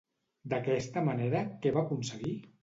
D'aquesta manera, què va aconseguir?